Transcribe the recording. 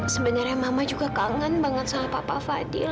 sebenarnya mama juga kangen banget sama papa fadil